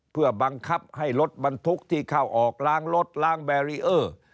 เพื่อบังคับให้รถบรรทุกที่เข้าออกล้างรถล้างแบรีเออร์